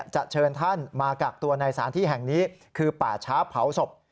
เชิญท่านมากักตัวในสารที่แห่งนี้คือป่าช้าเผาศพ